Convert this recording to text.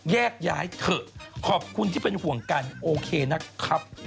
แยกย้ายเถอะขอบคุณที่เป็นห่วงกันโอเคนะครับ